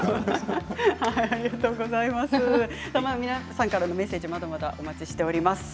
皆さんからのメッセージまだまだお待ちしています。